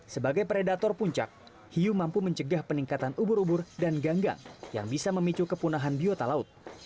sebagai predator puncak hiu mampu mencegah peningkatan ubur ubur dan ganggang yang bisa memicu kepunahan biota laut